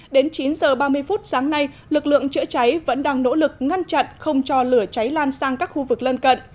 đến chín h ba mươi phút sáng nay lực lượng chữa cháy vẫn đang nỗ lực ngăn chặn không cho lửa cháy lan sang các khu vực lân cận